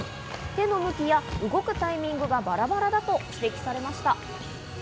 手の向きや動くタイミングがバラバラだと指摘されました。